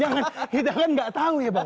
jangan jangan gak tahu ya bang